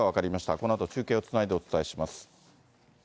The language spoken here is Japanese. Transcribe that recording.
このあと、中継をつないでお伝えします。